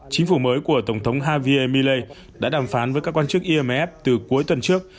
chính phủ mới của tổng thống havia millet đã đàm phán với các quan chức imf từ cuối tuần trước